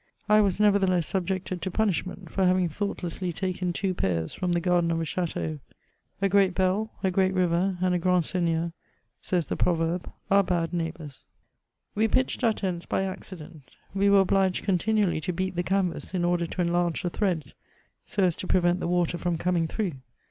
I was, nevertheless, subjected to punishment^ for having thoughtlessly taken two pears from the garden of a chateau. A great bell, a great river, and a grand seigneur, says the proverb, are bad neighbours. We pitched our tents by accident ; we were obliged con » tinually to beat the canvas, m order to enlarge the threads, so as to prevent the water from coming through.